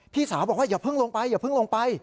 พี่สาวบอกว่าอย่าเพิ่งลงไปอย่าเพิ่งลงไป